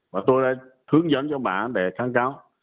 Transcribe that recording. và tôi đã hướng dẫn cho bạn để kháng cáo